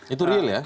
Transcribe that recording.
itu real ya